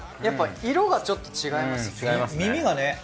やっぱ色がちょっと違いますよね。